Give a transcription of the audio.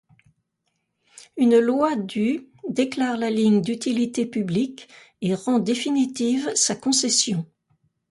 Une loi du déclare la ligne d'utilité publique et rend définitive sa concession.